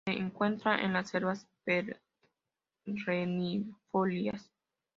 Se encuentra en las selvas perennifolias.